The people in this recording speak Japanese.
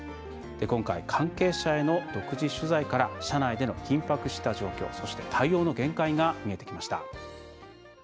今回、関係者への独自取材から車内での緊迫した状況そして、対応の限界が見えてきました。